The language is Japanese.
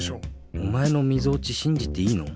おまえのみぞおちしんじていいの？